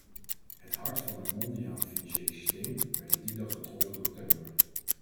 Het hart van het mondiale financiële systeem werd op die dag getroffen door terreur.